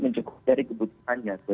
mencukupi dari kebutuhannya